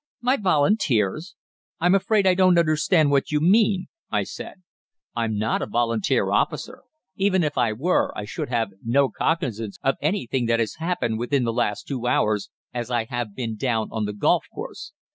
"'My Volunteers? I am afraid I don't understand what you mean,' I said. 'I'm not a Volunteer officer. Even if I were, I should have no cognisance of anything that has happened within the last two hours, as I have been down on the golf course.